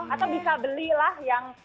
atau bisa belilah yang